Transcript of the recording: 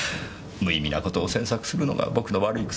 無意味な事を詮索するのが僕の悪い癖です。